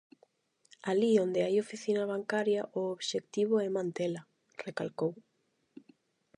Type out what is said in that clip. "Alí onde hai oficina bancaria o obxectivo é mantela", recalcou.